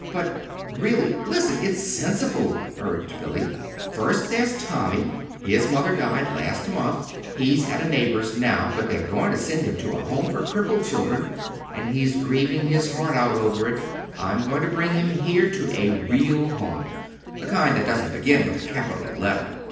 "But, really, listen it's sensible," urged Billy. "First, there's Tommy. His mother died last month. He's at a neighbor's now, but they're going to send him to a Home for Crippled Children; and he's grieving his heart out over it. I'm going to bring him here to a real home the kind that doesn't begin with a capital letter.